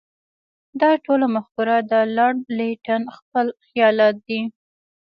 دا ټوله مفکوره د لارډ لیټن خپل خیالات دي.